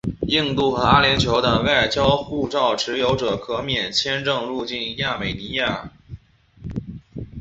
印度和阿联酋的外交护照持有者可免签证入境亚美尼亚。